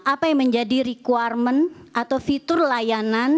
apa yang menjadi requirement atau fitur layanan